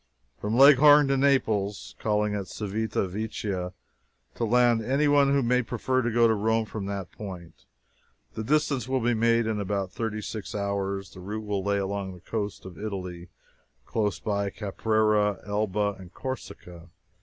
From Leghorn to Naples (calling at Civita Vecchia to land any who may prefer to go to Rome from that point), the distance will be made in about thirty six hours; the route will lay along the coast of Italy, close by Caprera, Elba, and Corsica.